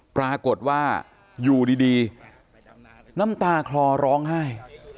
ปรากฏว่าอยู่ดีน้ำตาคลอร้องไห้